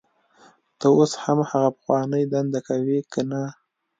ته اوس هم هغه پخوانۍ دنده کوې کنه